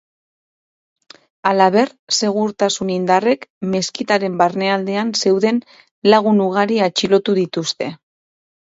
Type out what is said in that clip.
Halaber, segurtasun indarrek meskitaren barnealdean zeuden lagun ugari atxilotu dituzte.